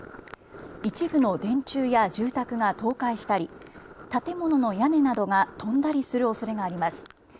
一部の電柱や住宅が倒壊したり建物の屋根などが飛んだりするおそれがあります。